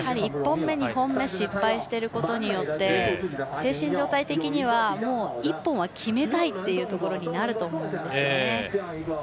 １本目、２本目失敗していることによって精神状態的にもう、１本は決めたいということになると思うんですよね。